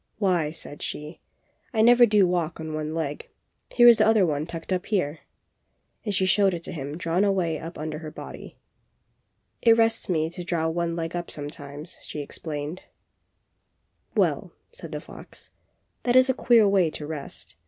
"Why," said she, "I never do walk on one leg; here is the other one tucked up here!" and she showed it to him drawn way up under her body. "It rests me to draw one leg up sometimes," she explained. THE FOX AND THE STORK. 41 "Well/^ said the fox, ^^that is a queer way to rest.